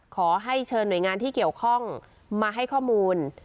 ขอให้เชิญหน่วยงานที่เกี่ยวข้องมาให้ข้อมูล